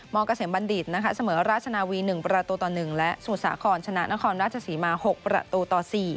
เกษมบัณฑิตนะคะเสมอราชนาวี๑ประตูต่อ๑และสมุทรสาครชนะนครราชศรีมา๖ประตูต่อ๔